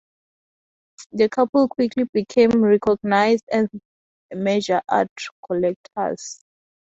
The couple quickly became recognised as major art collectors.